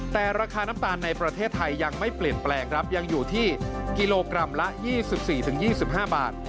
แต่ราคาน้ำตาลในประเทศไทยยังไม่เปลี่ยนแปลงครับยังอยู่ที่กิโลกรัมละ๒๔๒๕บาท